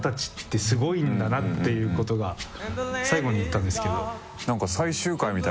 最後にいったんですけど。